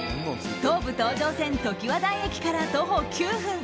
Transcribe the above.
東武東上線ときわ台駅から徒歩９分。